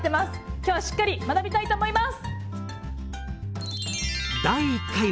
今日はしっかり学びたいと思います！